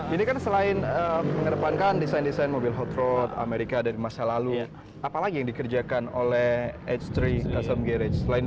ini kan selain mengedepankan desain desain mobil hot road amerika dari masa lalu apalagi yang dikerjakan oleh h tiga custom garage